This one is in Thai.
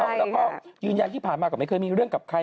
แล้วก็ยืนยันที่ผ่านมาก็ไม่เคยมีเรื่องกับใคร